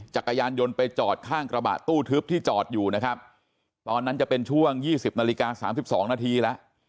จักรยานยนต์ไปจอดข้างกระบะตู้ทึบที่จอดอยู่นะครับตอนนั้นจะเป็นช่วง๒๐นาฬิกา๓๒นาทีแล้ว